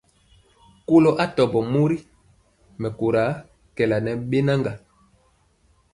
Kɔlo atɔmbɔ mori mɛkóra kɛɛla ne bɛnaga.